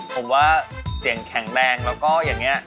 ผมว่าเสียงแข็งแรงแล้วก็อย่างนี้